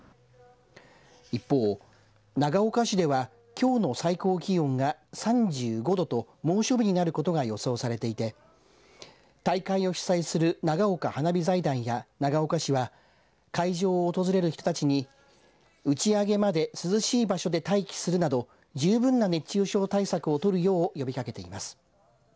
一方長岡市ではきょうの最高気温が３５度と猛暑日になることが予想されていて大会を主催する長岡花火財団や長岡市は会場を訪れる人たちに打ち上げまで涼しい場所で待機するなど十分な熱中症対策を取るよう呼びかけています。